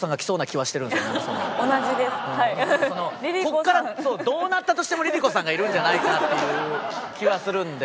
ここからどうなったとしてもＬｉＬｉＣｏさんがいるんじゃないかなっていう気はするんで。